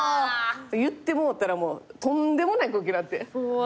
言ってもうたらとんでもない空気になって。